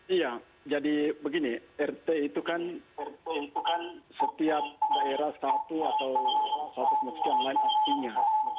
iya jadi begini rt itu kan setiap daerah satu atau satu masjid yang lain artinya